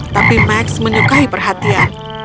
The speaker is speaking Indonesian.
tapi max menyukai perhatian